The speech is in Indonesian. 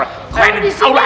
ke kanan ke awal